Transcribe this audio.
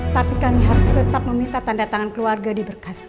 tapi kami harus tetap meminta tanda tangan keluarga diberkas